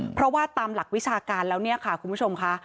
เพราะว่าตามหลักวิชาการแล้วเนี่ยค่ะคุณผู้ชมค่ะ